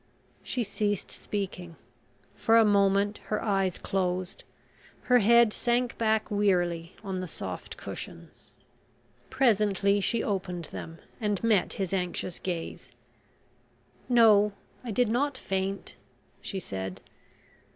She ceased speaking. For a moment her eyes closed, her head sank back wearily on the soft cushions. Presently she opened them, and met his anxious gaze. "No, I did not faint," she said.